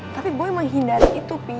tapi boy menghindari itu pi